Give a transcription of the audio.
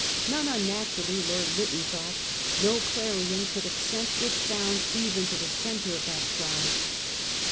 Not unnaturally, Lord Lytton thought ' no clarion could have sent its sound even to the centre' of that crowd.